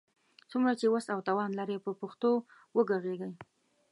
څومره چي وس او توان لرئ، په پښتو وږغېږئ!